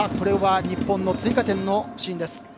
日本の追加点のシーンです。